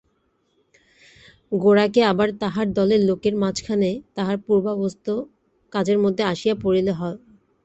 গোরাকে আবার তাহার দলের লোকের মাঝখানে তাহার পূর্বাভ্যস্ত কাজের মধ্যে আসিয়া পড়িতে হইল।